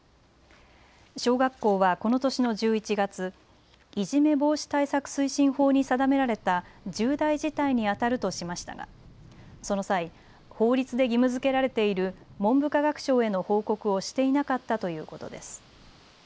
小学校はこの年の１１月、いじめ防止対策推進法に定められた重大事態に当たるとしましたが、その際、法律で義務づけられている文部科学省への報告をしていなかったということです。